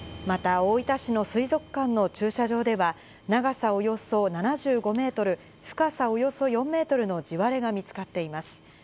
また、大分市の水族館の駐車場では、長さおよそ７５メートル、深さおよそ４メートルの地割れが見つかっています。